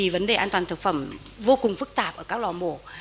vấn đề an toàn thực phẩm vô cùng phức tạp ở các lò mổ